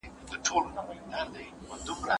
زېړ ګیلاس تر نیمايي پورې له اوبو ډک و.